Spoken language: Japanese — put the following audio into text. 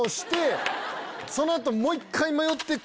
その後。